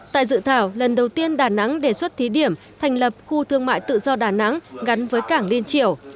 tại dự thảo lần đầu tiên đà nẵng đề xuất thí điểm thành lập khu thương mại tự do đà nẵng gắn với cảng liên triều